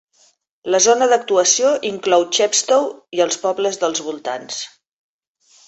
La zona d'actuació inclou Chepstow i els pobles dels voltants.